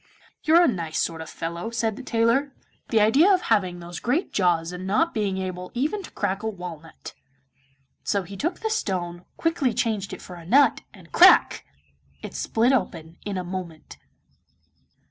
'You're a nice sort of fellow,' said the tailor; 'the idea of having those great jaws and not being able even to crack a walnut!' So he took the stone, quickly changed it for a nut, and crack! it split open in a moment.